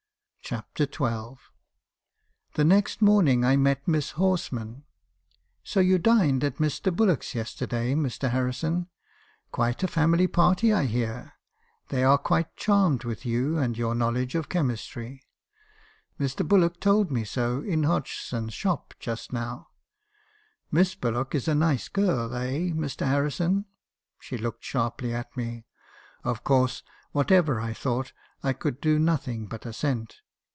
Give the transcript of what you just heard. CHAPTER XH. "The next morning I met Miss Horsman. '"So you dined at Mr. Bullock's yesterday, Mr. Harrison? Quite a family party, I hear. They are quite charmed with you, and your knowledge of chemistry. Mr. Bullock told me 278 MB. HAEKISOn's CONFESSIONS. so, in Hodgson's shop , just now. Miss Bullock is a nice girl, eh, Mr. Harrison?' She looked sharply at me. Of course, whatever I thought, I could do nothing but assent.